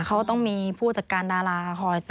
เขาต้องมีผู้จัดการดาราคอย